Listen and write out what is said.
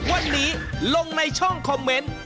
วันนี้ลงในช่องคอมเมนต์